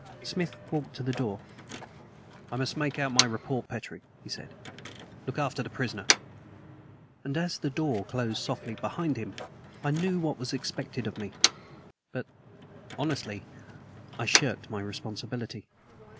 Smith walked to the door. "I must make out my report, Petrie," he said. "Look after the prisoner." And as the door closed softly behind him I knew what was expected of me; but, honestly, I shirked my responsibility.